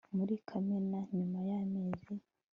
Muri Kamena nyuma yamezi